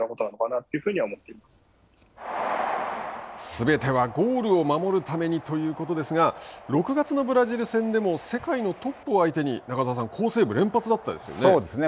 すべてはゴールを守るためにということですが、６月のブラジル戦でも世界のトップを相手に、中澤さん、好セーブ連発でしたね。